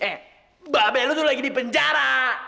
eh babek lu tuh lagi di penjara